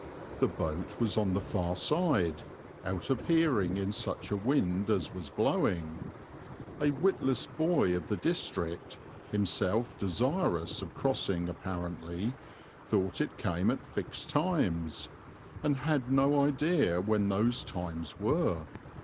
The boat was on the far side, out of hearing in such a wind as was blowing; a witless boy of the district, himself desirous of crossing apparently, thought it came at fixed times, and had no idea when those times were.